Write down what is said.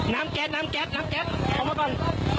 แก๊สน้ำแก๊สน้ำแก๊สเอามาก่อน